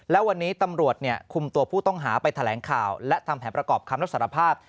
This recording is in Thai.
และวันนี้ตำรวจคุมตัวผู้ต้องหาไปแถลงข่าวและทำแผนประกอบคำรับสารภาพ